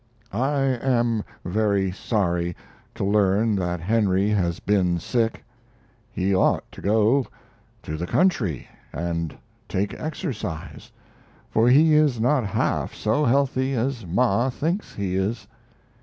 I am very sorry to learn that Henry has been sick. He ought to go to the country and take exercise, for he is not half so healthy as Ma thinks he is.